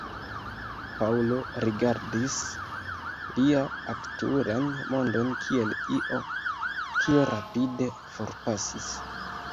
Paŭlo rigardis lia aktualan mondon kiel io, kio rapide forpasis.